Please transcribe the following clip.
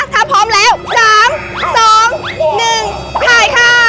ถ้าพร้อมแล้ว๓๒๑ถ่ายค่ะ